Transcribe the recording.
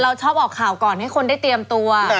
ชอบออกข่าวก่อนให้คนได้เตรียมตัว